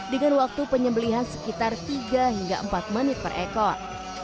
dengan waktu penyembelihan sekitar tiga hingga empat menit per ekor